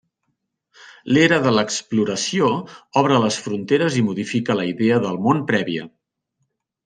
L'era de l'exploració obre les fronteres i modifica la idea del món prèvia.